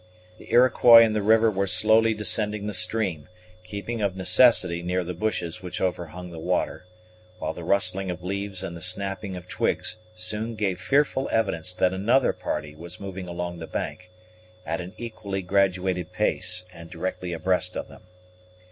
The Iroquois in the river were slowly descending the stream; keeping of necessity near the bushes which overhung the water, while the rustling of leaves and the snapping of twigs soon gave fearful evidence that another party was moving along the bank, at an equally graduated pace; and directly abreast of them.